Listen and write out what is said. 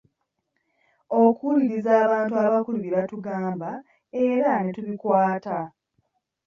Okuwuliriza abantu abakulu bye batugamba era ne tubikwata.